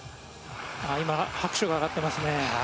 今、拍手が上がっていますね。